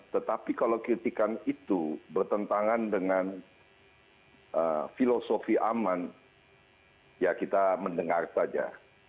tetapi kalau kritikan itu bertentangan dengan filosofi aman ya kita mendengar saja